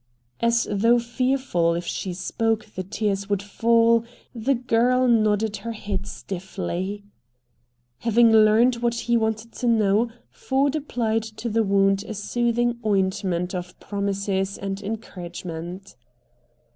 As though fearful, if she spoke, the tears would fall, the girl nodded her head stiffly. Having learned what he wanted to know Ford applied to the wound a soothing ointment of promises and encouragement.